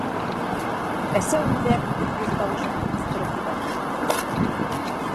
Әсә үҙәк өҙгөс тауыш менән ҡысҡырып ебәрҙе.